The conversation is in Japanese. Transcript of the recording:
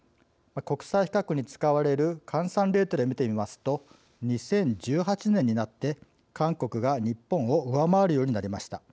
国際比較に使われる換算レートで見てみますと２０１８年になって韓国が日本を上回るようになりました。